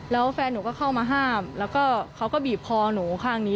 แล้วแฟนหนูก็เข้ามาห้ามแล้วก็เขาก็บีบคอหนูข้างนี้